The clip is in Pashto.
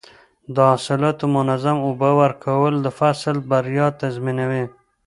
د حاصلاتو منظم اوبه ورکول د فصل بریا تضمینوي.